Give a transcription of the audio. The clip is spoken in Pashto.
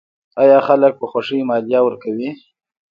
آیا خلک په خوښۍ مالیه ورکوي؟